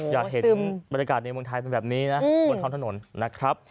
อยากเห็นบรรยากาศในเมืองไทยเป็นแบบนี้นะบนท้องถนนนะครับ